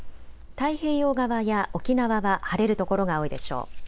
太平洋側や沖縄は晴れる所が多いでしょう。